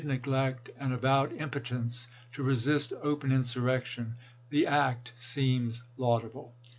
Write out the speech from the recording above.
x. neglect, and avowed impotence to resist open in surrection, the act seems laudable.